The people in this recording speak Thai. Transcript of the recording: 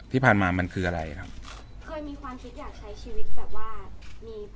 ที่ผ่านมามันคืออะไรครับเคยมีความคิดอยากใช้ชีวิตแบบว่ามี